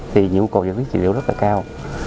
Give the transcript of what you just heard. thì nhu cầu dân lý trị liệu rất là cao